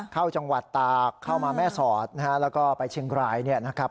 เข้าจังหวัดตากเข้ามาแม่สอดนะฮะแล้วก็ไปเชียงรายเนี่ยนะครับ